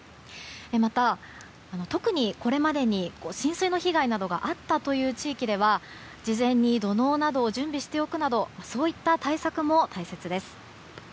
また、特にこれまでに浸水の被害などがあった地域では事前に土のうなどを準備するなどの対策も大切です。